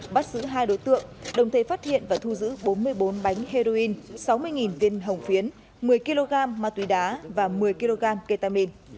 bắt giữ hai đối tượng đồng thể phát hiện và thu giữ bốn mươi bốn bánh heroin sáu mươi viên hồng phiến một mươi kg ma túy đá và một mươi kg ketamin